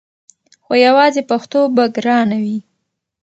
خو یواځې پښتو به ګرانه وي!